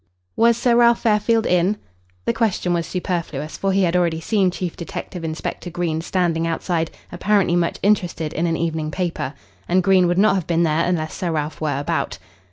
"Was Sir Ralph Fairfield in?" The question was superfluous, for he had already seen Chief Detective Inspector Green standing outside apparently much interested in an evening paper. And Green would not have been there unless Sir Ralph were about.